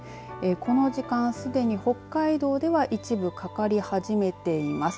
この時間、すでに北海道では一部かかり始めています。